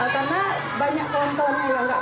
karena banyak orang orang yang nggak punya jajan dia bantu